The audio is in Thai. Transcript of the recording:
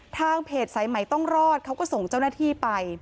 ทางเพจสายใหม่ต้องรอดเขาก็ส่งเจ้าหน้าที่ไป